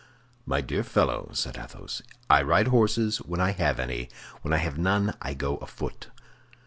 "My dear fellow," said Athos, "I ride horses when I have any; when I have none, I go afoot."